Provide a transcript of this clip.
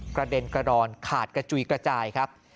กระเด็นกระดอนขาดกระจุยกระจายครับ